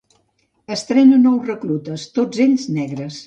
Entrena nous reclutes, tots ells negres.